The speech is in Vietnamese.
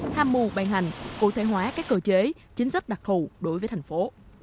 tham mưu bàn hành cụ thể hóa các cơ chế chính sách đặc thù đối với thành phố